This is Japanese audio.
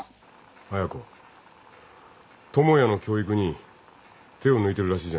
亜矢子智也の教育に手を抜いてるらしいじゃないか。